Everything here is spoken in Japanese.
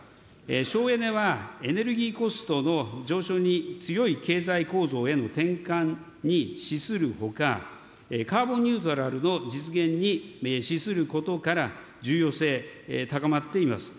省エネは、エネルギーコストの上昇に強い経済構造への転換に資するほか、カーボンニュートラルの実現に資することから、重要性、高まっています。